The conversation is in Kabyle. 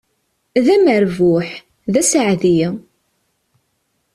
D amerbuḥ, d asaɛdi!